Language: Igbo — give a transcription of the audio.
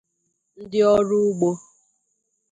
ndị ọrụ ugbo